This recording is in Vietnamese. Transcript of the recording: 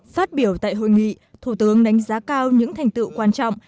phát biểu tại hội nghị thủ tướng đánh giá cao những thành tựu quan trọng